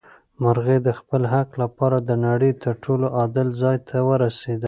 مرغۍ د خپل حق لپاره د نړۍ تر ټولو عادل ځای ته ورسېده.